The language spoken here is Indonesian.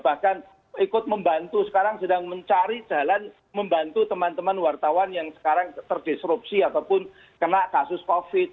bahkan ikut membantu sekarang sedang mencari jalan membantu teman teman wartawan yang sekarang terdisrupsi ataupun kena kasus covid